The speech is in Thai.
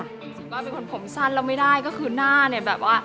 รู้สึกว่าเป็นคนผมสั้นแล้วไม่ได้ก็คือหน้าเนี่ยแบบว่า